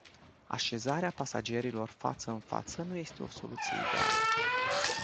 Așezarea pasagerilor față în față nu este o soluție ideală.